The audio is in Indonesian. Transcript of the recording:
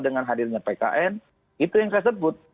dengan hadirnya pkn itu yang saya sebut